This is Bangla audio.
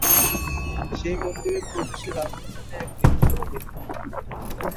সেই মন্দিরে প্রবেশের রাস্তা জানে এক বৃদ্ধ ব্যক্তি।